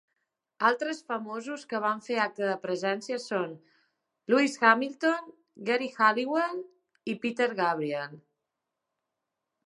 Altres famosos que van fer acte de presència són Lewis Hamilton, Geri Halliwell i Peter Gabriel.